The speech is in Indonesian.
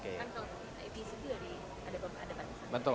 kan kalau di situ ada bantuan